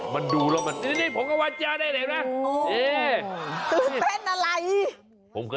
มันดูแล้วมันนี่ผงฮาวาเจียวได้เห็นไหม